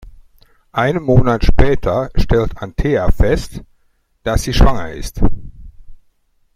Einen Monat später stellt Anthea fest, dass sie schwanger ist.